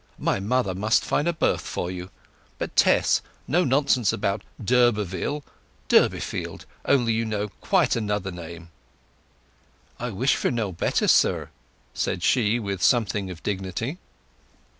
My mother must find a berth for you. But, Tess, no nonsense about 'd'Urberville';—'Durbeyfield' only, you know—quite another name." "I wish for no better, sir," said she with something of dignity.